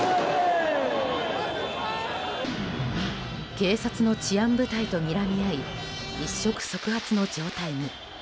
警察の治安部隊とにらみ合い一触即発の状態に。